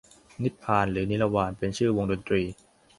นิพพาน หรือนิรวาน เป็นชื่อวงดนตรี